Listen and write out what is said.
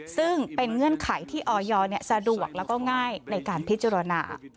ซึ่งเป็นเงื่อนไขที่ออยสะดวกแล้วก็ง่ายในการพิจารณา